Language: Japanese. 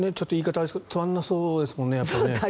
あれですけどつまらなさそうですもんね。